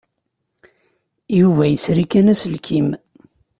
Yuba yesri kan aselkim.